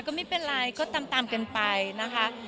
ก็ไม่เป็นไรก็ตามกันไปนะคะ